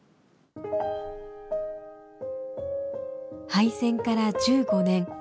廃線から１５年。